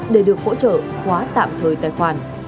để được hỗ trợ khóa tạm thời tài khoản